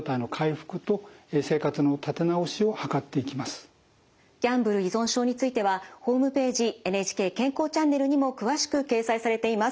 患者さんご本人がギャンブル依存症についてはホームページ「ＮＨＫ健康チャンネル」にも詳しく掲載されています。